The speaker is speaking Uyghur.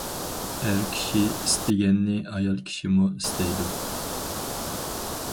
ئەر كىشى ئىستىگەننى ئايال كىشىمۇ ئىستەيدۇ.